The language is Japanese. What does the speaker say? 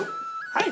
はい！